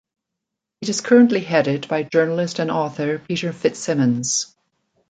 It is currently headed by journalist and author Peter FitzSimons.